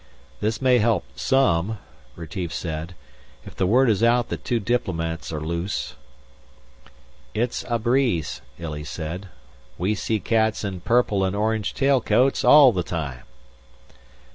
"This may help some," Retief said, "if the word is out that two diplomats are loose." "It's a breeze," Illy said. "We see cats in purple and orange tailcoats all the time."